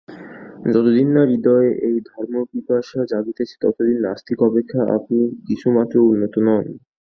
যতদিন না হৃদয়ে এই ধর্মপিপাসা জাগিতেছে, ততদিন নাস্তিক অপেক্ষা আপনি কিছুমাত্র উন্নত নন।